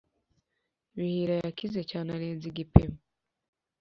bihira yakize cyane arenza igipimo